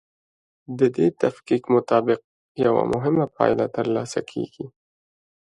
د دې تفکیک مطابق یوه مهمه پایله ترلاسه کیږي.